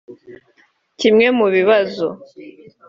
Kimwe mu bibazo